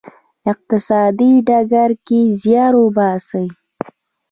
اقتصادي ډګر کې زیار وباسی.